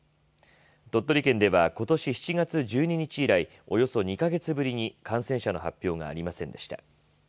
鳥取県ではことし７月１２日以来、およそ２か月ぶりに感染者の発表がありませんでした。